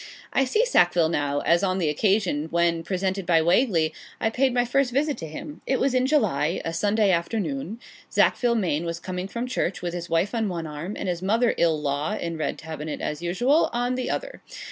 I see Sackville now, as on the occasion when, presented by Wagley, I paid my first visit to him. It was in July a Sunday afternoon Sackville Maine was coming from church, with his wife on one arm, and his mother ill law (in red tabinet, as usual,) on the other.